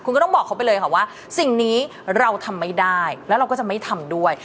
คุณก็ต้องบอกเขาไปเลยค่ะว่าสิ่งนี้เราทำไม่ได้แล้วเราก็จะไม่ทำด้วย